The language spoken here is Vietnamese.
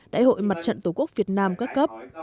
đại hội mặt trận tổ quốc việt nam các cấp